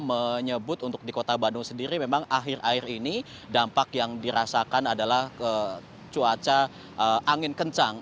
menyebut untuk di kota bandung sendiri memang akhir akhir ini dampak yang dirasakan adalah cuaca angin kencang